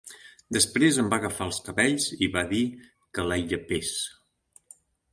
Després em va agafar els cabells i va dir que la hi llepés.